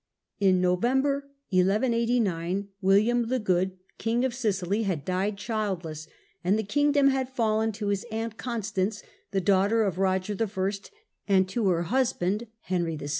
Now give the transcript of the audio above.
In November 1189 William the Good, King of Sicily, had died childless, and the kingdom had fallen to his aunt Constance, the daughter of Eoger I., and to her husband, Henry VI.